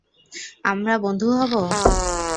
আমরা বন্ধু হবো?